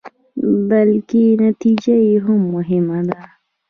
بلکې نتيجه يې هم مهمه ده.